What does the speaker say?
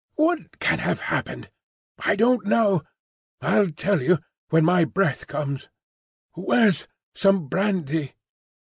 What can have happened? I don't know. I'll tell you, when my breath comes. Where's some brandy?"